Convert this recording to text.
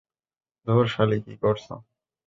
ধুর, সালি, কী করছো।